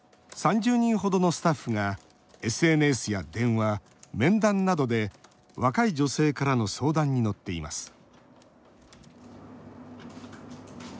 ３０人ほどのスタッフがＳＮＳや電話、面談などで若い女性からの相談に乗っています